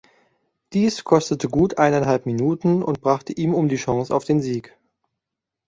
Dies kostete gut eineinhalb Minuten und brachte ihn um die Chance auf den Sieg.